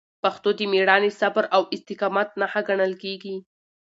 پښتو د میړانې، صبر او استقامت نښه ګڼل کېږي.